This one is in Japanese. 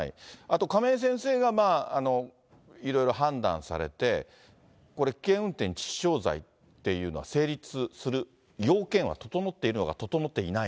あと亀井先生が、いろいろ判断されて、危険運転致死傷罪っていうのが成立する要件は整っているのか、整